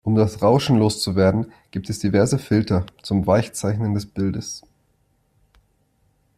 Um das Rauschen loszuwerden, gibt es diverse Filter zum Weichzeichnen des Bildes.